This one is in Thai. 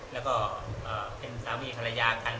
แล้วก็เป็นสามีภรรยากัน